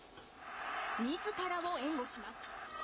みずからを援護します。